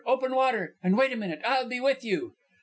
Open water! And wait a minute. I'll be with you."